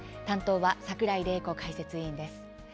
担当は櫻井玲子解説委員です。